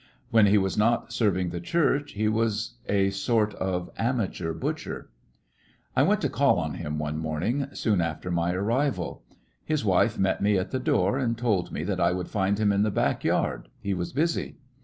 When he was not serving the church he was a sort of amateur butcher. I went to call on him one morning soon A lack of ex after my arrival. His wife met me at the door and told me that I would find him in the back yard— he was busy.